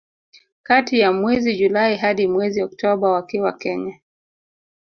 Kati ya mwezi Julai hadi mwezi Oktoba wakiwa Kenya